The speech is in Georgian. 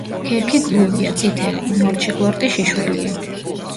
ქერქი გლუვია, წითელი; ნორჩი ყლორტი შიშველია.